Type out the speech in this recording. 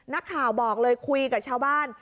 นักข่าวบอกเลยคุยกับชาวบ้าน